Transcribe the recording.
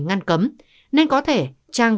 ngăn cấm nên có thể trang